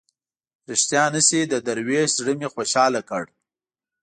ریښتیا نه شي د دروېش زړه مې خوشاله کړ.